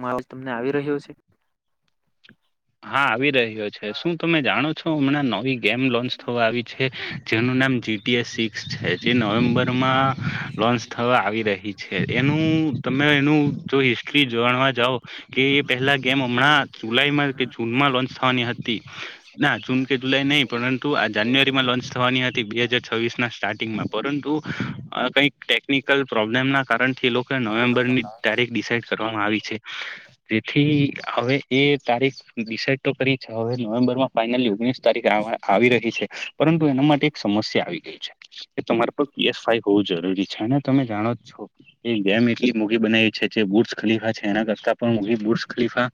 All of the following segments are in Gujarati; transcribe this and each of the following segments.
મારો તમને આવી રહ્યો છે? હા, આવી રહ્યો છે, શું તમે જાણો છો? હમણાં નવી ગેમ લોન્ચ થવા આવી છે. જેનું નામ જી ટી એ સિક્સ છે, જે નવેમ્બરમાં લોન્ચ થવા આવી રહી છે. એનું તમે એનું હિસ્ટ્રી જાણવા જાવ કે એ પહેલા ગેમ હમણાં જુલાઈમાં કે જૂનમાં લોન્ચ થવાની હતી. ના, જૂન કે જુલાઈ નહી, પરંતુ આ જાન્યુઆરીમાં લોન્ચ થવાની હતી બે હાજાર છવીસના સ્ટાર્ટિંગમાં પરંતુ કઈક ટેકનિકલ પ્રોબ્લેમના કારણથી એ લોકો નવેમ્બરની તારીખ કરવામાં આવી છે, જેથી હવે, એ તારીખ ડિસાઇડ તો કરી છે, હવે નવેમ્બરમાં ફાઇનલી ઓગણીસ તારીખ આવી રહી છે. પરંતુ એના માટે એક સમસ્યા આવી ગઈ છે, કે તમારે પર પી એસ ફાઈ હોવું જરૂરી છે. અને તમે જાણો એ ગેમ એટલી મોઘી બનાવી છે, જે ખલીફા છે, એના કરતાં પણ બુર્જ ખલીફા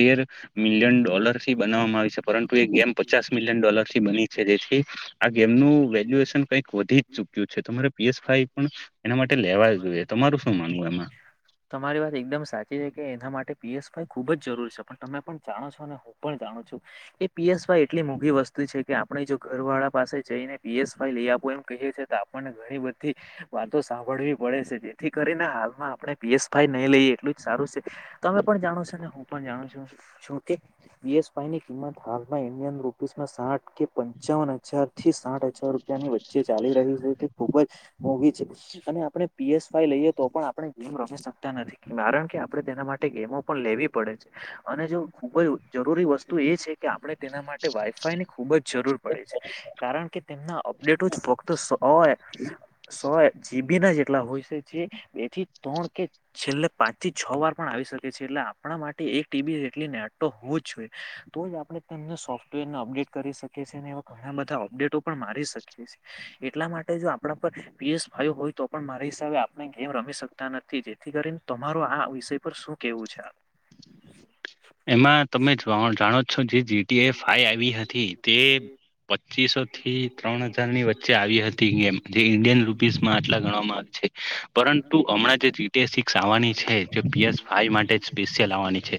તેર મિલિયન ડોલરથી બનાવવામાં આવી છે. પરંતુ એ ગેમ પચાસ મિલિયન ડોલર થી બની છે. જેથી આ ગેમ નું વેલ્યુએશન કઈક વધી જ ચુક્યું છે. તમારે પી એસ ફાઈ પણ એના માટે લેવા જોઈએ, તમારું શું માનવું એમાં? એકદમ સાચી છે, કે એના માટે પી એસ ફાઈ ખુબ જ જરૂરી છે, પણ તમે પણ જાણો છો અને હું પણ જાણું છું. એ પી એસ ફાઈ એટલી મોંઘી વસ્તી છે કે આપણે જો ઘર વાળા પાસે જઈને પી એસ ફાઈ લઈ આપું એમ કહીએ છી આપણને ઘણી બધી વાતો સાંભળવી વળે છે, જેથી કરીને હાલમાં આપણે પી એસ ફાઈ નહી લઈએ, એટલું જ સારું છે. તમે પણ જાણો છો, ને હું પણ જાણું છું. જોકે પી એસ ફાઈની કિંમત હાલમાં ઇન્ડિયન રૂપીસમાં સાઠ કે પંચાવન હજાર થી સાઠ હજાર રૂપિયા ની વચ્ચે ચાલી રહી છે. તે ખુબ જ મોઘી છે, અને આપણે પી એસ ફાઈ લઈએ તો પણ આપણે ગેમ રમી શકતા નથી કારણ કે આપણે તેના માટે ગેમો પણ લેવી પડે છે. અને જો ખુબ જ જરૂરી વસ્તુ એ છે, કે આપણે તેના માટે વાઈ ફાઈ ની ખૂબ જ જરૂર પડે છે. કારણ કે, તેમના અપડેટો જ ફક્ત સો એ સો જીબીના એટલા હોય છે, જે બે થી ત્રણ કે છેલ્લે પાંચ થી છ વાર પણ આવી શકે છે, એટલે આપણા માટે એક ટી બી જેટલી નેટવર્ક હોવું જ જોઈએ. તો જ આપણેને સોફ્ટવેરને અપડેટ કરી શકીએ છીએ. અને એ ઘણા બધા અપડેટો પણ મારી શકીએ છેએ. એટલા માટે જો આપણા પર પી એસ ફાઈ હોય તો પણ મારી હિસાબે આપણે ગેમ રમી શકતા નથી. જેથી કરીને તમાર આ વિષય પર શું કેવું છે? એમાં તમે જ જાણો છો જે જી ટી ફાઈ આવી હતી, તે પચીસો થી ત્રણ હજાર ની વચ્ચે આવી હતી. ગેમ જે ઈન્ડિયન રૂપીઝમાં આટલા ગણવામાં આવે છે. પરંતુ હમણાં જેજી ટી એસ સિક્સ જે પી એફ ફાઇ માટે સ્પેશિયલની છે.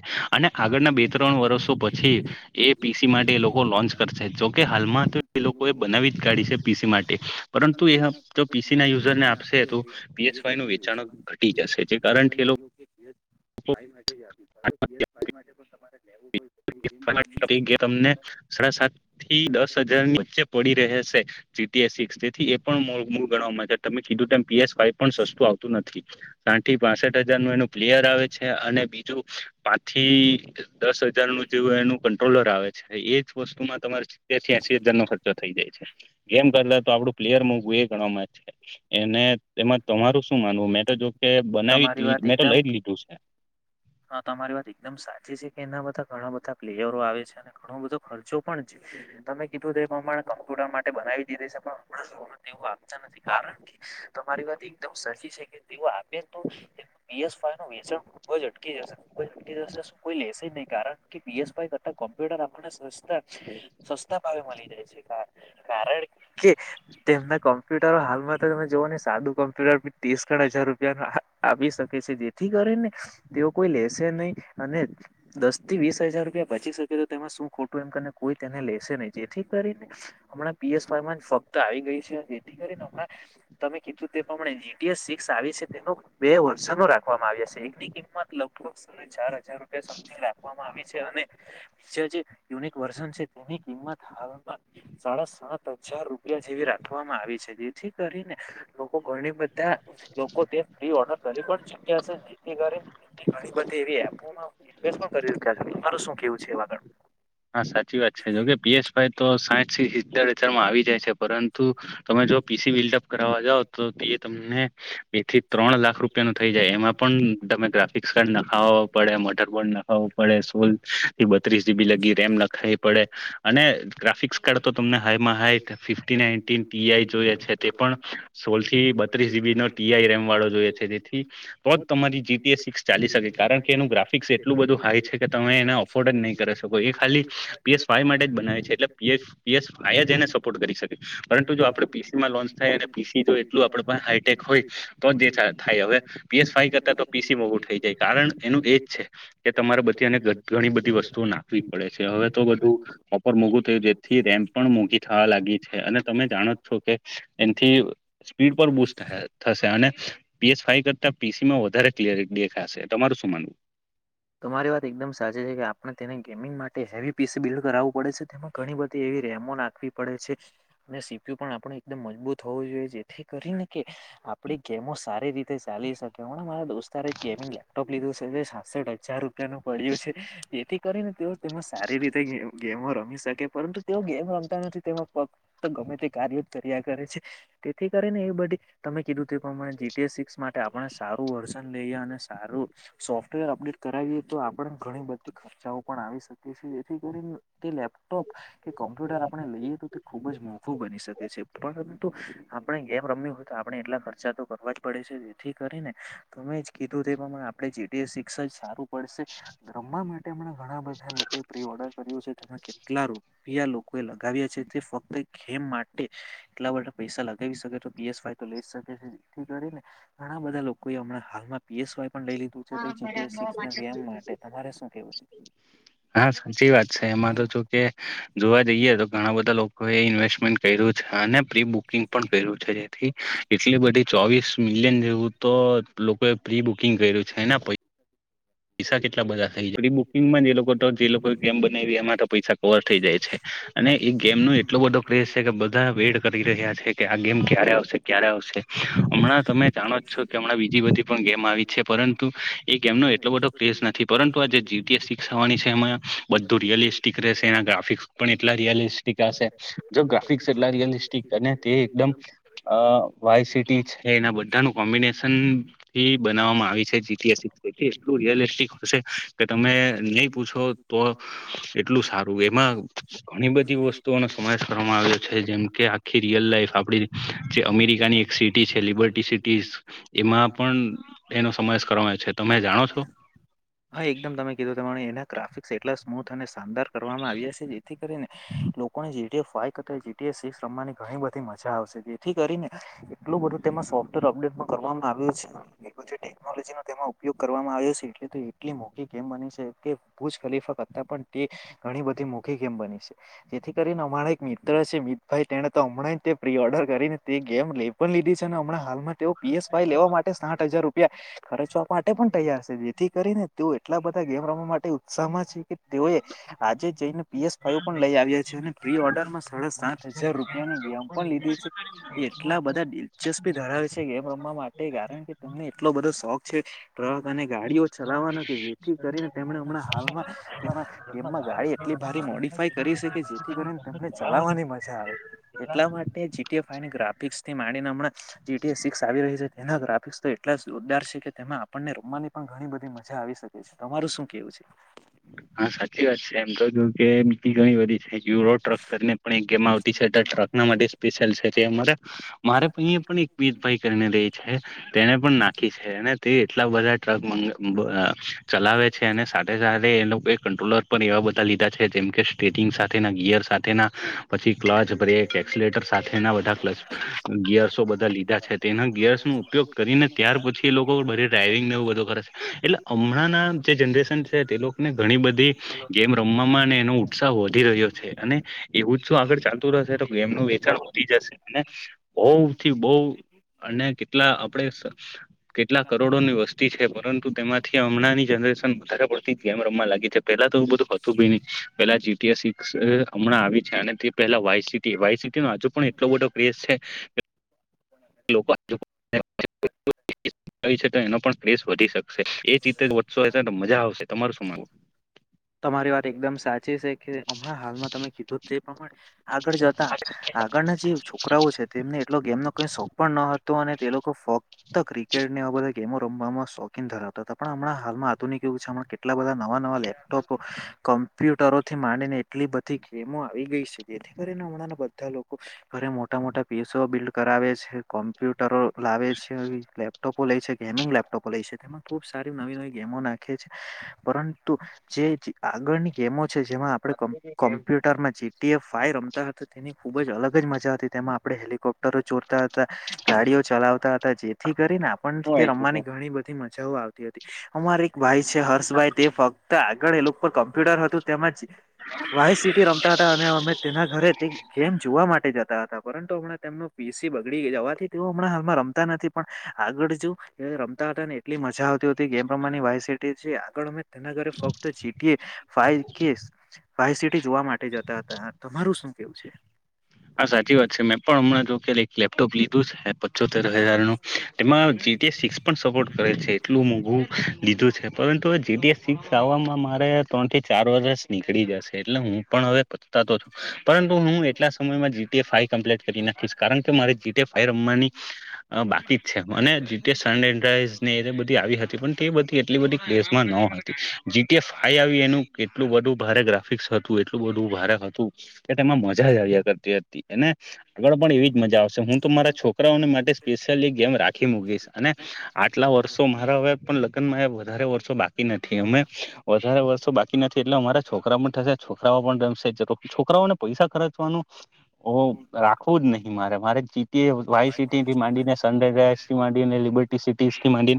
આગળના બે-ત્રણ વર્ષો પછી એ પી સી માટે એ લોકો લોન્ચ કરશે. જોકે હાલમાં તો એ લોકો એ બનાવી જ કાડી છે, પી સી માટે. પરંતુ એ પી સીના યુઝરને આપશે તો પી એસ ફઈ નું વેચાણ ઘટી જશે. જે [unintelligible] લાઈ માટે પણ તમારે [inaudible] તમને સાડા સાત થી દસ હજારની વચ્ચે પડી રહે છે. જી ટીએ સિક્સ તેથી એ પણ મૂળ ગણવામાં તમેં કીધું તેમ પી એસ ફાઈ પણ સસ્તું આવતું નથી. સાઠ થી પાસઠ હજારનું એનું પ્લેયર આવે છે. અને બીજું પાચથી દસ હજારનું જેવું એનું કંટ્રોલર આવે છે. એજ વસ્તુમાં તમારે સિત્તેરથી એસી હજાર નો ખર્ચો થઈ જાય છે. ગેમ કરતા તો આપડું પ્લેયર મોઘવું એ ગણવામાં છે. એને એમાં તમારું શું માનવું? મેં તો જો કે બનાવી મેં તો લઈ જ લીધું છે. હા, તમારી વાત એકદમ સાચી છે, કે એના બધા ઘણા બધા પ્લેયરો આવે છે અને ઘણો બધો ખર્ચો પણ છે. તમે કીધું તો એ પ્રમાણે કમ્પ્યુટર માટે બનાવી દીધી છે, પણ હમણાં શું એવું આપતા નથી, કારણ કે તમારી વાત એકદમ સાચી છે, કે તેઓ આપે તો પી એસ ફાઇનું વેચણ ખૂબ જ [unintelligible] જશે. કોઈ લેશે નહી, કારણ કે પી એસ ફાઇ કરતા કોમ્પ્યુટર આપને સસ્તા ભાવે મળી જાય છે. કારણ કે, તેમના કોમ્પ્યુટરો હાલમાં તો તમે જોવો ને સાદું કોમ્પ્યુટર તી ત્રણ હજાર રૂપિયા તો આપી શકે છે જેથી કરી ને તેઓ કોઈ લેશે નહી અને દસ થી વીસ હજાર રૂપિયા બચી શકે તો તેમાં શું ખોટું એમ કોઈ તેને લેશે નહી જેથી કરીને હમણાં પીએસ [unintelligible] ફક્ત આઈ ગઈ છે જેથી કરીને હમણાં તમે કીધું તે પ્રમાણે જીટીએસ સિક્સ આવી શકે તો બે વર્ષ ચાલુ રાખવામાં આવે છે એમ નહીં કે એક માં લગભગ સાડાચાર હજાર રૂપિયા સમથિંગ રાખવામાં આવી છે અને જે જે યુનિક વર્ઝન છે તેની કિંમત હાલમાં સાડા સાત હજાર રૂપિયા જેવી રાખવામાં આવી છે જેથી કરીને [inaudible] ઘણી બધી એવી એવી એપો માં ઇન્વેસ્ટ પણ તમાર શું કેવું છે આગળ હા સાચી વાત છે જોકે પીએસભાઈ તો સાઈન માં આવી જાય છે પરંતુ તમે જો પીસી બિલ્ટઅપ કરવા જાવ તો તે તમને બે થી ત્રણ લાખ રૂપિયા નો થઈ જાય એમાં પણ તમે ગ્રાફિક્સ કાર્ડ નાખાવવાો પડે મોટર બોર્ડ નખાવુ પડે સોલ એ બત્રીસ જીબી લગી એમ નખાઈ પડે અને ગ્રાફિક્સ કાર્ડ તો તમને હાઈમાં હાય ફિફટી નાઇન્ટિન ટીઆઈ જોઈએ છે તે પણ સોળ થી બત્રીસ જીબી નો ટીઆઈ રેમ વાળો જોઈએ છે જેથી તો જ તમારી જીટીએસ ફીક્સ ચાલી શકે કારણ કે એનું ગ્રાફિક્સ એટલું બધું હાય છે કે તમે એને અફોર્ડ જ નહીં કરી શકો એક ખાલી પીએસ વાય માટે જ બનાવે છે એટલે પીએસ પીએસ વાય જ એને સપોર્ટ કરી શકે પરંતુ જો આપણે લોન્ચ થાય અને પીસી તો એટલું પણઆપણે હાયટેક હોય તો જ એ થાય હવે પીએસ વાય કરતા તો પી પીસી મોંઘું થઈ જાય કારણ એનું એજ છે કે તમારે બધી અને ઘણી બધી વસ્તુઓ નાખવી રહે છે હવે તો બધું પ્રોપર મોઘું થયું જેથી રેમ્પ પણ મોંઘી થવા લાગી છે અને તમે જાણો છો કે એનથી સ્પીડ પર બુસ્ટ થશે અને પીએસ ફાઈ કરતા પીસીમાં વધારે ક્લિયરિગ દેખાશે તમારું શું માનવું તમારી વાત એકદમ સાચી છે કે આપણે તેને કેમ હેવી પીસ બિલ્ડ કરાવવું પડે છે તેમાં ઘણી બધી એવી રેમો નાખવી પડે છે અને સીપયુ પણ આપણે એકમ મજબૂત હોવું જોઈએ જેથી કરીને કે આપડી ગેમો સારી રીતે ચાલી શકે હમણાં મારા દોસ્ત ગેમિંગ લેપટોપ લીધું છે એ બી છાસઢ હજાર રૂપિયા નું પડ્યું છે જેથી કરીને તેઓ તેમાં સારી રીતે ગેમો ગેમો રમી શકે પરંતુ તેઓ ગેમ રમતા નથી તેનો ફક્ત ગમે તે કાર્યો કર્યા કરે છે તેથી કરી ને એ બધી તમે કીધું તે પ્રમાણે જીટીએ સિક્સ માટે આપણે સારું વર્ષ લઈએ અને સારું સોફ્ટવેર અપડેટ કરાવીએ તો આપણે ઘણી બધી ખર્ચાઓ પણ આવી શકેછે જેથી કરીને તે લેપટોપ કે કોમ્પ્યુટર આપણે લઈએ તો તે ખુબ જ મોઘું બની શકે છે પરંતુ આપણે ગેમ રમવી હોય તો આપણે એટલા ખર્ચા તો કરવા જ પડે છે જેથી કરીને તમેજ કીધું તે પ્રમાણે આપણે જેટીએ સિક્સ જ સારું પડશે રમવા માટે હમણાં ઘણા બધા લોકો પ્રિ ઓર્ડર કર્યું છે તેમાં કેટલા રૂપિયા લોકોએ લગાવ્યા છે તે ફક્ત ગેમ માટે એટલા મોટા પૈસા લગાવી શકે તો પીએસ વાય તો લય જ શકે ને એથી કરીને ઘણા બધા લોકો હાલમાં પીએસ વાય પણ લઈ લીધું છે. તો જીપીએક્સ સિક્સ ના ગેમ માટે. તમારે શું કેવું હા સાચી વાત છે એમાં તો જોકે જોવા જઈએ તો ઘણા બધા લોકો એ ઇન્વેસ્ટમેન્ટ કર્યું છે અને પ્રી બુકિંગ પણ કર્યું છે જેથી એટલી બધી ચોવીસ મિલિયન જેવું તો લોકોએ પ્રી બુકિંગ કર્યું છે ને પૈસા એટલા બધા થઈ ખાલી બુકિંગમાં જ જે લોકો જે લોકો ગેમ બનાવી એમાં તો પૈસા કવર થઈ જાય છે અને ગેમ નો એટલો બધો ક્રેઝ છે કે બધા વેડ કરી રહ્યા છે કે આ ગેમ ક્યારે આવશે ક્યારે આવશે હમણાં તમે જાણો જ છો કે હમણાં બીજી બધી પણ ગેમ આવી છે પરંતુ એ ગેમનો એટલો બધો ક્ર્રેઝ નથી પરંતુ જે જીપીએક્સ સિક્સ આવા ની છે એમાં બધું રીયલિસ્ટિકશે રહેશે એના ગ્રાફિક્સ પણ એટલા રિયાલિસ્ટિક છે જો ગ્રાફીક્સા એટલા રિયાલિસ્ટિક અને તે એકદમ અ વાયસિટી છે ને આમ બધાનું કોમ્બિનેશનથી બનાવામાં આવી છે. જીપીએક્સ સિક્સ એટલું રિયાલિસ્ટિક હશે કે તમે નહી પૂછો તો એટલું સારું એમાં ઘણી બધી વસ્તુ નો સમાવેશ કરવામાં આવ્યો છે જેમ કે આખી રિયલ લાઈફ આપણી જે અમેરિકાની એક સિટી છે લિબર્ટી એમાં પણ એનો સમાવેશ કરવામાં આવે છે તમે જાણો છો હા એકદમ તમે કીધું તમારે એના ગ્રાફિક્સ એટલા સ્મૂથ અને શાનદાર કરવામાં આવ્યા છે જેથી કરીને લોકોને જેટીએ ફાઇવ કરતા જેટીએ ચેસ રમવાની ઘણી બધી મજા આવશે જેથી કરીને એટલું બધું તેમાં સોફ્ટવેર અપડેટ માં કરવામાં આવ્યું ટેકનોલોજી નો તેમાં ઉપયોગ કરવામાં આવ્યો છે એટલે એટલી મોી ગેમ બની છે કે ભુજ ખલીફ કરતા પણ તે ઘણી બધી મોઘી ગેમ બની છે થી કરીને અમારા એક મિત્ર છે મિતભાઈ તેને તો હમણાં પ્રી ઓર્ડર કરીને તે ગેમ લઈ પણ લીધી છે હમણાં હાલમાં તે પીએસ વાાઈ લેવા માટે સાઠ હજાર રૂપિયા ખર્ચવા માટે પણ તૈયાર છે જેથી કરીને તેઓ એટલા બધા ગેમ રમવા માટે ઉત્સાહમાં છે કે તેઓએ આજે જઈને પીએસ ફાઈવ પણ લઈ આવ્યા છે ને પ્રી ઓર્ડર માં સાડા સાત હજાર રૂપિયાની ગેમ પણ લીધી છે એટલા બધા દિલચસ્પી ધરાવે છે ગમ રમવા માટે કારણ કે તમને એટલો બધો શોખ છે ટ્રક અને ગાડીઓ ચલાવવાનો જેથી કરીને તેમણે હમણાં હાલમાં તેમાં તેમમાં ગાડી એટલી ભારી મોડીફાય કરી શકે જે જે થી કરીને તેમને ચલાવવાની મજા આવે એટલા માટે જીતી ને ગ્રાફિક્સથી માંડીને હમણાં જીતી સિક્સ આવી રહી છે તેના ગ્રાફિક્સ તો એટલા જ જોદાર છે કે તેમાં આપણને રમવાની પણ ઘણી બધી મજા આવી શકે છે તમારું શું કેવું છે હા સાચી વાત છે એમ તો તું કે એમ ઘણી બધી છે યુરો ટ્રક કરીને પણ એક ગેમ આવતી છે એ ટ્રક ના માટે સ્પેશિલ છે તે અહિયાં મલે મારે પણ એક [unintelligible] ભાઈ કરીને રેય છે તેને પણ નાખી છે અને તે એટલા બધા ટ્રક મ અ ચલાવે છે અને સાથે સાથે લોકો કંટ્રોલર એવા બધા લીધા છે જેમ કે સ્ટ્રેટિંગ સાથેના ગિયર સાથેના પછી ક્લચ બ્રેક એક્સલેટર સાથેના બધા ક્લચ ગિયર્સો બધા લીધા છે તેના ગિયર્સ ઉપયોગ કરીને ત્યાર પછી એ લોકો બધ ડ્રાઈવિંગને એવું બધો કરે છે એટલે હમણાં જે જનરેશન છે તે લોકોને ઘણી બધી ગેમ રમવામાં એનો ઉત્સાહ વધી રહ્યો છે અને એવું શે તો ગેમનું વેચાણ વધી જશે અને બહથી બહ અને કેટલા આપણે કેટલા કરોડોની વસ્તી છે પરંતુ તેમાંથી હમણાં ની જ ન બ પડતી રમવા લાગી છે પેલા તો બધું હતું ભી નહી પેલા જીટીએસ્ હમણાં છે અને તે પહેલા વાય સિટી વાય સિટી નો આજુ પણ એટલો બટો પ્રસ છે લોકો [inaudible] કરી શક્યા તો એનો પણ ક્રેઝ વધી શકશે એ જ રીતે વધશો હશે તો મજા આવશે તમાર શું માંનવું તમારી વાત એકદમ સાચી શે કે હમણાં હાલમાં તમે કીધું તે પ્રમાણે આગળ જતા આગળના જે છોકરાઓ છે તેમને એટલો ગેમનો કઈ શોખ પણ ન હતો અને તે લોકો ફક્ત ક્રિકેટ ને એવા બઘા ગેમો રમવામાં શોખીન ધરાવતા હતા પણ હણાં હાલમાં આધુનિક યુગ છે હમણા કેટલા બધા નવા નવા લેપ ટોપ કમ્પ્યુટરો થી માંડીને એટલી બધી ગેમો આવી ગઈ છે જેથી કરીને હમણાં બધા લોકો ઘરે મોટા મોટા બેસો બિલ્ડ કરાવે છે કોમ્પ્યુટરો લાવે છે આવી લેપટોપ લે છે ગેમિંગ લેપટોપો લે છે તેમાં ખુબ સારી નવી નવી ગેમો નાખે છે પરંતુ જે આગળની ગેમો જેમાં આપણે કોમ્પ્યુટરમાં જીટીએફ ફાઈ રમતા હતા તેની ખૂબ જ અલગ જ મજા હતી તેમાં આપડણે હેલિકોપ્ટર ચોરતા હતા ગાડીઓ ચલાવતા હતા જેથી કરીને આપણ તે રમવાની ઘણી બધી મજ જવ આવતી હતી અમારે એક ભાઈ છે હર્ષ ભાઈ તે ફક્ત આગળ એ લોકો કમ્પ્યુટર હતું તેમજ વાઇ સિટી રમતા હતા અને અમે તેના ઘરે ગેમ જોવા માટે જતા હતા પરંતુ હમણાં તેમનું પીસી બગડી જવાથી તેઓ હમણાં હાલમાં રમતા નથી પણ આગળ જો રમતા ને એટલી મજા આવતી હતી કે એમ પ્રમાની વાય સિટી આગળ અમે તેના ઘરે ફક્ત જી ફ ફ સિટી જોવા માટે જતા હતા તમારું શું કેું છે પણ હમણાં જો એક લેપટોપ લીધું છેછ પચોતેર હજાર ન તેમાંિક્ પણ સપોર્ટ કરે છે એટલું મોઘું લીધું છે જેએસ સિક્સ આવવામાં મારે ત્રણથી ચાર વરસ નીકળી જશે એટલે હું પણ હવે પતા તો છું પરંતુ હું એટલા જી ફમ્પ્લીટ કરી નાખીશ કારણ કે મારે જી ફાઈ રમવાની બાકી જ છે મને જીતે સન ડે રાઈટ આાઈ આવી એનું એટલું બધું ભારે ગ્રાફિક્સ હતું એટલું બધું ભારે હતું કે તેમાં મજા જ આવી હતી એ અનેને આગળ પણ એવી જ મજા આવશે હું તો મારા છોકરાઓને માટે સ્પેશિયલી ગેમ રાખી મૂકીશ. અને આટલા વર્ષો મારા હવે પણ લગ્નમાં વધારે વર્ષો બાકી નથી. અમે વધારે વર્ષો બાકી નથી એટલે અમારા છોકરા પણ થશે છોકરાઓ પણ રમશે, છોકરાઓને પૈસા ખર્ચવાનું ઓ રાખવું જ નહી મારે મારે ચીત વાઈટ સિટી થી માંડીને સનરાઈઝર્ થી માંને લિબર્ટી સિટી થી માંને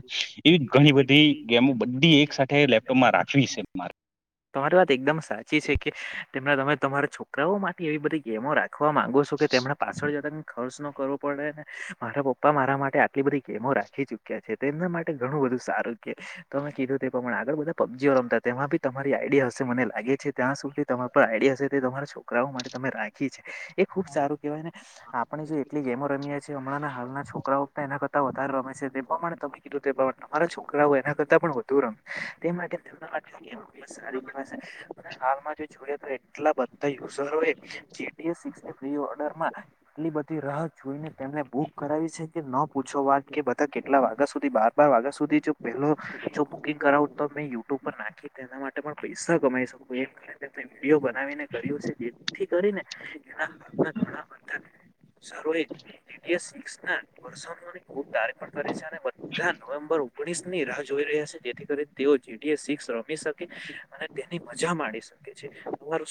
એવી ઘણી બધી ડીલ ગેમો બધી એક સાથે લેપટોપમાં રાખવી છે મારે. તમારી વાત એકદમ સાચી છે કે તેમના તમે તમારા છોકરાઓ માટે એવી બધી ગેમો રાખે. લખવા માંગો છો કે તેમણે પાછળ જતા ખર્ચ ન કરવો. પણને મારા પપ્પા મારા માટે આટલી બધી ગેમો રાખી ચુક્યા છે તેમના માટે ઘણું બધું સારું ગેમ તમે કીધું તે પ્રમાણે આગળ બધા પબજીઓ રમતા તેમાં બી તમારી આઈડિયા હશે મને લાગે છે ત્યાં સુધી તમા પણ. આઇડી હશે તે તમારા છોકરા માટે તમે રાખી છે એ ખુબ સારું કેવાયને આપણે જો એટલી ગેમો હમણાં હાલના છોકરાઓ પણ એના કરતા વધારે રમે છે તે પ્રમાણે તમે કીધું તે પ્રમાણે તમારા છોકરાઓ એના કરતાં પણ. વધુ રમે તે માટે એ સારી હાલમાં જો જોઈએ તો એટલા બધા યુઝરો એ જે ઓડરમાં એટલી બધી રાહ જોઈને તેમને બુક કરાવી છે કે ન પૂછો વાત કે બધા કેટલા વાગ્યા સુધી બાર બાર વાગ્યા સુધી પ બુકિંગ કરાવ તો યુટ્યુબ પર નાખી તેના માટે પણ પૈસા કમાઈ શકું એમ વિડીયો બનાવીને કર્યું છે જેથી કરીને તે ને ઘણા બધા સારા ત પણ કરીે છે અને બા નવેમ્બર ઓગણીસ ની રાહ જોઈ રહ્યા છે, જેથી કરીને તેઓ જેએ સીએટસી રમી શકે, અને તેની મજા માણી શકે છે. તમારે.